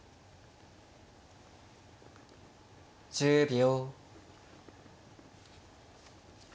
１０秒。